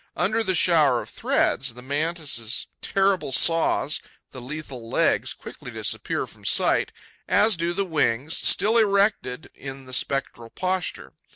Under this shower of threads, the Mantis' terrible saws, the lethal legs, quickly disappear from sight, as do the wings, still erected in the spectral posture.